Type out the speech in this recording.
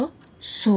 そう。